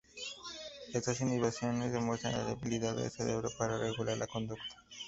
Estas inhibiciones demuestran la habilidad del cerebro para regular la conducta.